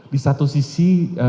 di satu sisi